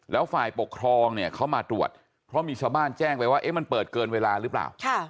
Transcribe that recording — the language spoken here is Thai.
แล้วฝ่ายปกครองเนี่ยเขามาตรวจเพราะมีชาวบ้านแจ้งไปว่ามันเปิดเกินเวลาหรือเปล่า